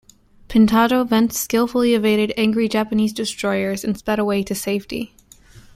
"Pintado" then skillfully evaded angry Japanese destroyers and sped away to safety.